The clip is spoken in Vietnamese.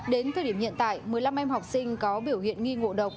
đến thời điểm hiện tại một mươi năm em học sinh có biểu hiện nghi ngộ độc